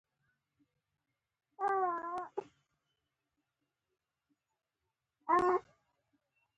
یو لیوه د پسونو ساتونکی سپی ولید.